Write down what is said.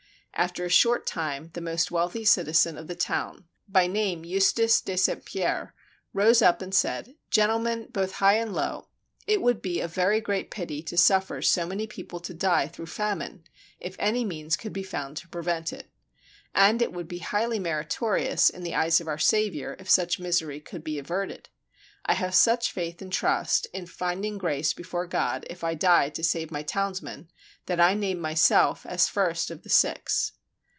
'After a short time, the most wealthy citizen of the town, by name Eustace de St. Pierre, rose up and said: "Gentlemen, both high and low, it would be a very great pity to suffer so many people to die through fam ine, if any means could be found to prevent it; and it would be highly meritorious in the eyes of our Saviour if such misery could be averted. I have such faith and trust in finding grace before God if I die to save my townsmen that I name myself as first of the six."